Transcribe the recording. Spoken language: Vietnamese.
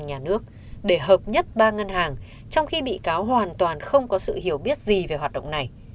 nhà nước để hợp nhất ba ngân hàng trong khi bị cáo hoàn toàn không có sự hiểu biết gì về hoạt động này